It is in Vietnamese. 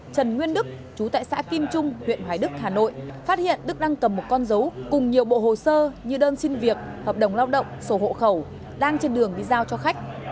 trần nguyên đức chú tại xã kim trung huyện hoài đức hà nội phát hiện đức đang cầm một con dấu cùng nhiều bộ hồ sơ như đơn xin việc hợp đồng lao động sổ hộ khẩu đang trên đường đi giao cho khách